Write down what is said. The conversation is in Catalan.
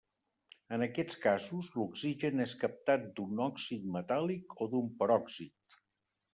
En aquests casos, l'oxigen és captat d'un òxid metàl·lic o d'un peròxid.